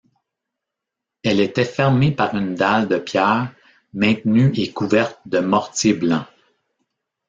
Elle était fermée par une dalle de pierre, maintenue et couverte de mortier blanc.